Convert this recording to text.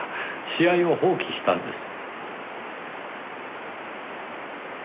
試合を放棄したんです。